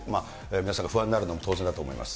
皆さんが不安になるのは当然だと思います。